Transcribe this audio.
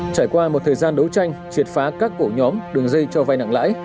trải qua một thời gian đấu tranh triệt phá các cổ nhóm đường dây cho vay nặng lãi